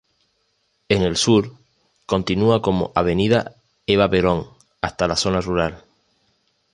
En el Sur, continúa como Avenida Eva Perón hasta la Zona Rural.